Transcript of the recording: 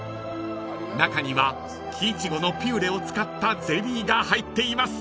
［中には木苺のピューレを使ったゼリーが入っています］